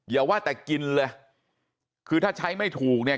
อย่าว่าแต่กินเลยคือถ้าใช้ไม่ถูกเนี่ย